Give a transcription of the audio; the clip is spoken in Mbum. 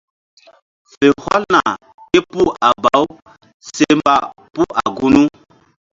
Fe hɔlna képuh a baw se mba puh a gunu.